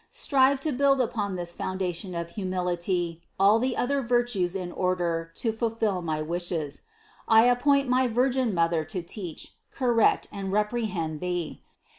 Strive to build upon this foundation of humility all the other virtues in order to fulfill my wishes. I appoint my Virgin Mother to teach, correct and reprehend thee.